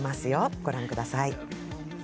ご覧ください。